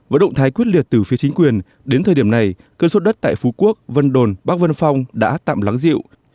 với động thái quyết liệt từ phía chính quyền đến thời điểm này cơn xuất đất tại phú quốc vân đồn bắc vân phong đã tạm lắng dịu